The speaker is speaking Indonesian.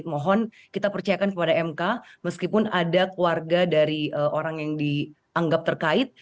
dan kita percayakan kepada mk meskipun ada keluarga dari orang yang dianggap terkait